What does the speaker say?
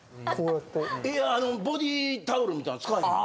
えあのボディタオルみたいなの使わへんの？